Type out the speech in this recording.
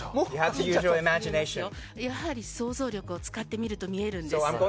やはり想像力を使ってみると見えるんです。